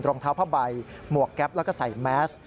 รองเท้าผ้าใบหมวกแก๊ปแล้วก็ใส่แมส